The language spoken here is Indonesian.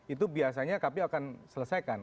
itu biasanya kpu akan selesaikan